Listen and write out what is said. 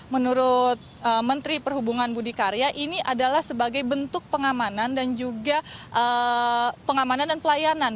menurut menteri perhubungan budi karya ini adalah sebagai bentuk pengamanan dan juga pengamanan dan pelayanan